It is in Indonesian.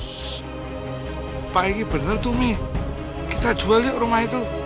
ssst pak ini bener tumi kita jual yuk rumah itu